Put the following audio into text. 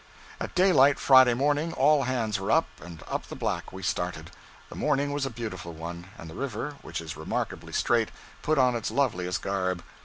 At daylight Friday morning all hands were up, and up the Black we started. The morning was a beautiful one, and the river, which is remarkably straight, put on its loveliest garb.